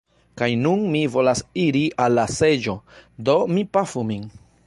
Kaj nun mi volas iri al la seĝo, do mi pafu min.